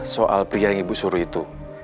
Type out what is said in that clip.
soal pria yang ibu suruh itu